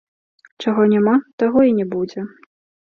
Чаго няма, таго і не будзе.